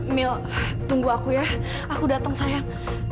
mil tunggu aku ya aku datang sayang